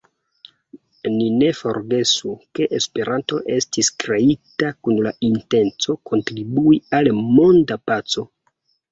Ni ne forgesu, ke Esperanto estis kreita kun la intenco kontribui al monda paco.